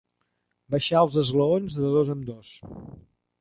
Baixar els esglaons de dos en dos.